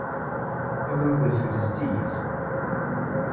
Aman n udfel zeddigit.